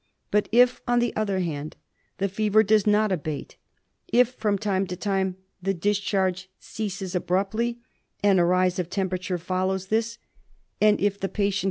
But if, on the other hand, the fever does not abate, if from time to time the discharge ceases abruptly and a rise of temperature follows this, and if the patient LIVER ABSCESS.